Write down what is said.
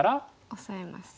オサえます。